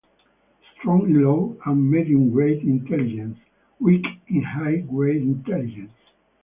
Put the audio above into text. Strong in low and medium-grade intelligence, weak in high-grade intelligence.